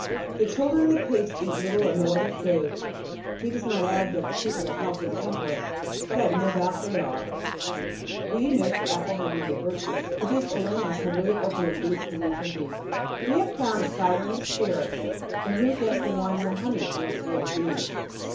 The children and the pigs eat little or no other food. He does not add that the people are healthy and temperate, but I have no doubt they are. We knew the apple had many virtues, but these Chilians have really opened a deep beneath a deep. We had found out the cider and the spirits, but who guessed the wine and the honey, unless it were the bees?